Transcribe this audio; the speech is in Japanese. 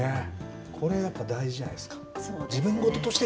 これ、やっぱ大事じゃないですか。